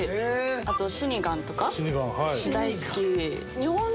あとシニガンとか大好き。